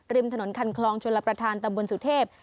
ริมถนนคันคลองชลประธานตำบลสุเทพ